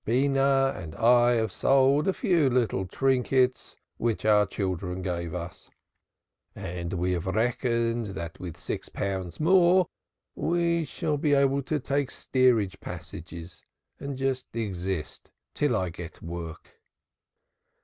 Beenah and I have sold a few little trinkets which our children gave us, and we have reckoned that with six pounds more we shall be able to take steerage passages and just exist till I get work."